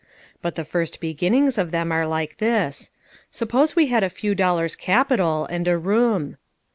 But the first beginnings of them are like this : suppose we had a few dollars capital, and a room."